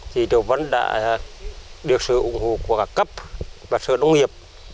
thì trường vẫn đã được sự ủng hộ của các cấp và sự nông nghiệp